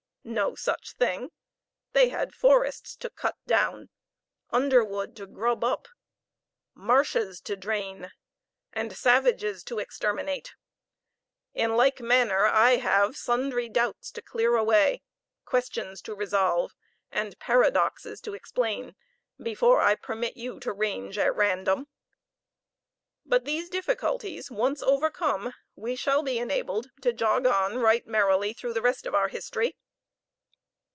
No such thing. They had forests to cut down, underwood to grub up, marshes to drain, and savages to exterminate. In like manner, I have sundry doubts to clear away, questions to resolve, and paradoxes to explain before I permit you to range at random; but these difficulties once overcome we shall be enabled to jog on right merrily through the rest of our history.